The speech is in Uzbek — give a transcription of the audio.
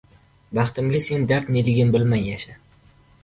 Baxtimga sen dard neligin bilmay yasha